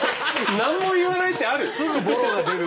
何も言わないってある？